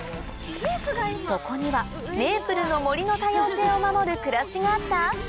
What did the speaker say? そこにはメープルの森の多様性を守る暮らしがあった？